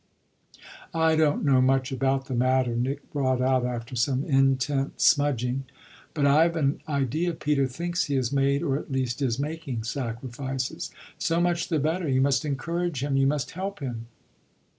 "I don't know much about the matter," Nick brought out after some intent smudging, "but I've an idea Peter thinks he has made or at least is making sacrifices." "So much the better you must encourage him, you must help him."